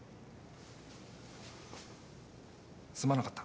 すまなかった。